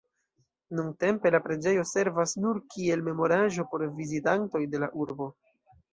Nuntempe la preĝejo servas nur kiel memoraĵo por vizitantoj de la urbo.